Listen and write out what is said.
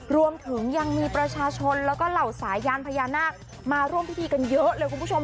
รวมถึงยังมีประชาชนแล้วก็เหล่าสายยานพญานาคมาร่วมพิธีกันเยอะเลยคุณผู้ชม